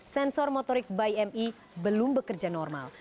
sensor motorik bayi mi belum bekerja normal